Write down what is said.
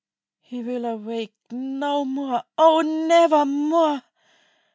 "He will awake no more, oh, never more!